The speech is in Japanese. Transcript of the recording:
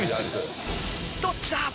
どっちだ！？